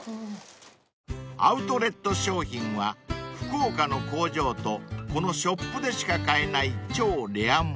［アウトレット商品は福岡の工場とこのショップでしか買えない超レア物］